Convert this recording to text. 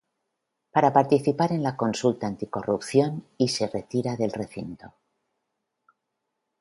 Para participar en la consulta anticorrupción y se retira del recinto.